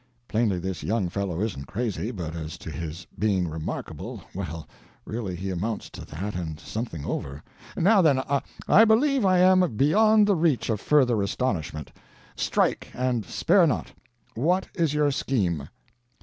(Plainly this young fellow isn't crazy; but as to his being remarkable well, really he amounts to that, and something over.) Now then, I believe I am beyond the reach of further astonishment. Strike, and spare not. What is your scheme?"